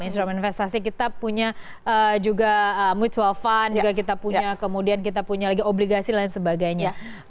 instrumen investasi kita punya juga mutual fund juga kita punya kemudian kita punya lagi obligasi dan sebagainya